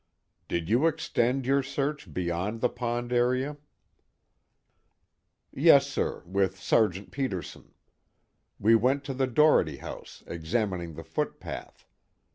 "Did you extend your search beyond the pond area?" "Yes, sir, with Sergeant Peterson. We went to the Doherty house, examining the footpath.